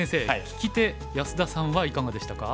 聞き手安田さんはいかがでしたか？